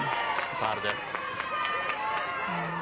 ファウルです。